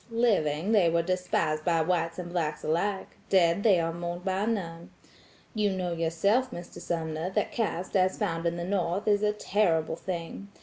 Living, they were despised by whites and blacks alike; dead, they are mourned by none. You know yourself Mr. Sumner, that caste as found at the North is a terrible thing.